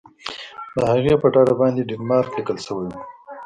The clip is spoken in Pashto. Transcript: د هغې په ډډه باندې ډنمارک لیکل شوي وو.